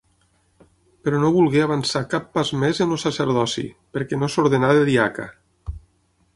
Però no volgué avançar cap pas més en el sacerdoci, perquè no s'ordenà de diaca.